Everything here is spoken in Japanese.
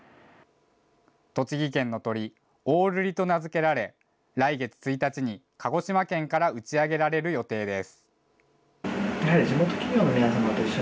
栃木県の鳥、おおるりと名付けられ、来月１日に鹿児島県から打ち上げられる予定です。